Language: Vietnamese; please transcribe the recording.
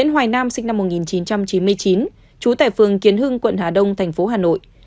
hưng quận hà đông thành phố hà nội